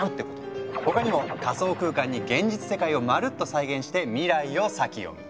他にも仮想空間に現実世界をまるっと再現して未来を先読み！